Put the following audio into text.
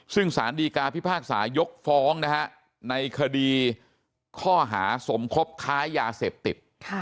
ซึ่งสารดีกาพิพากษายกฟ้องนะฮะในคดีข้อหาสมคบค้ายาเสพติด